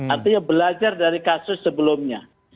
artinya belajar dari kasus sebelumnya